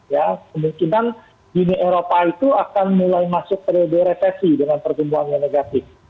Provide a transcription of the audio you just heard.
ya kemungkinan dunia eropa itu akan mulai masuk periode resesi dengan pertumbuhannya negatif